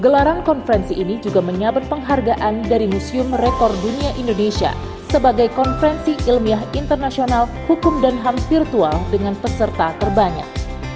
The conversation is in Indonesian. gelaran konferensi ini juga menyabet penghargaan dari museum rekor dunia indonesia sebagai konferensi ilmiah internasional hukum dan ham virtual dengan peserta terbanyak